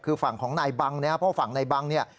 คือฝั่งของนายบังนะครับเพราะฝั่งนายบังเนี่ย